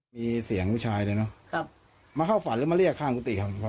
มีเสียงผู้ชายเลยเนอะครับมาเข้าฝันหรือมาเรียกข้างกุฏิครับ